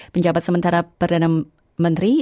penjabat sementara perdana menteri